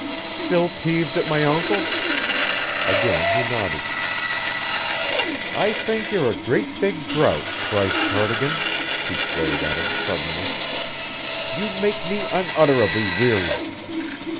"Still peeved at my uncle?" Again he nodded. "I think you're a great big grouch, Bryce Cardigan," she flared at him suddenly. "You make me unutterably weary."